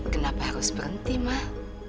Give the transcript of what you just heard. kenapa harus berhenti mah